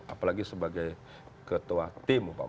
apalagi sebagai ketua tim